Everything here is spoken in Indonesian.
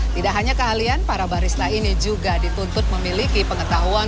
tidak hanya keahlian para barista ini juga dituntut memiliki pengetahuan